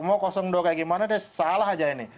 mau kosong dua kayak gimana deh salah aja ini